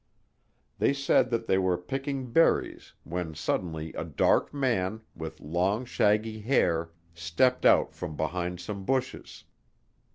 They said that they were picking berries when suddenly a dark man, with long shaggy hair, stepped out from behind some bushes.